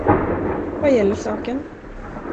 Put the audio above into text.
Vad gäller saken?